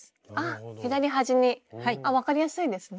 左端に分かりやすいですね。